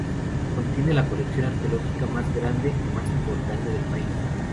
Contiene la colección arqueológica más grande y más importante del país.